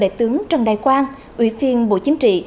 đại tướng trần đại quang ủy viên bộ chính trị